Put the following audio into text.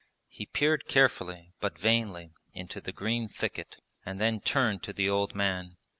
He peered carefully but vainly into the green thicket and then turned to the old man.